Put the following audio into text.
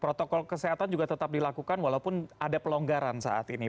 protokol kesehatan juga tetap dilakukan walaupun ada pelonggaran saat ini